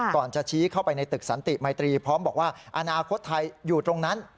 จะชี้เข้าไปในตึกสันติมัยตรีพร้อมบอกว่าอนาคตไทยอยู่ตรงนั้น